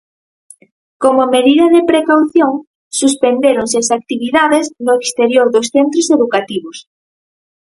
Como medida de precaución, suspendéronse as actividades no exterior dos centros educativos.